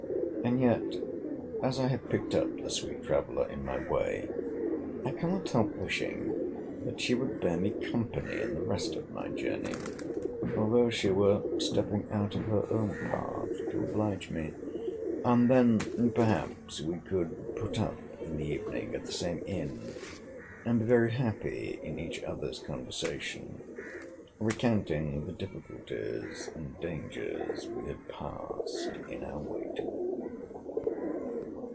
And yet, as I have picked up the sweet traveller in my way, I cannot help wishing that she would bear me company in the rest of my journey, although she were stepping out of her own path to oblige me. And then, perhaps, we could put up in the evening at the same inn; and be very happy in each other's conversation; recounting the difficulties and dangers we had passed in our way to it.